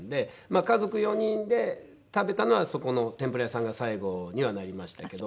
家族４人で食べたのはそこの天ぷら屋さんが最後にはなりましたけど。